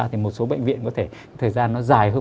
thì một số bệnh viện có thể thời gian nó dài hơn